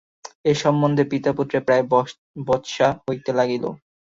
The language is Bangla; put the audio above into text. এ সম্বন্ধে পিতাপুত্রে প্রায় বচসা হইতে লাগিল।